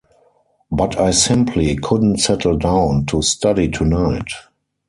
But I simply couldn’t settle down to study tonight.